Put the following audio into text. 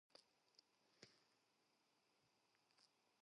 Barreirense, spending four seasons in the Primeira Liga with the club.